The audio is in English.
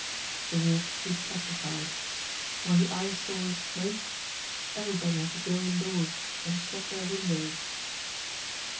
The Walk stood petrified. When the Eyesore smoked, everybody had to go indoors and shut their windows.